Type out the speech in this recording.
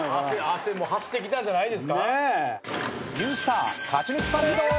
汗走ってきたんじゃないですか？